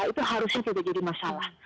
itu harusnya tidak jadi masalah